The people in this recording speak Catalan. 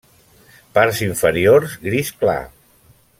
Parts inferiors gris clar.